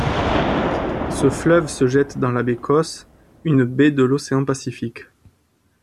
Ce fleuve se jette dans la baie Coos, une baie de l'océan Pacifique.